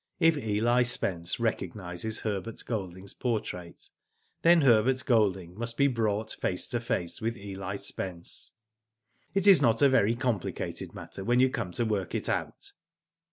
If Eli Spence recognises Herbert Golding's portrait, then Herbert Golding must be brought face to face with Eli Spence. It is not a very complicated matter when you come to work it out."